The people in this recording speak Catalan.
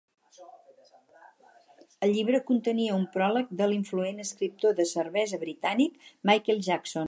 El llibre contenia un pròleg de l'influent escriptor de cervesa britànic Michael Jackson.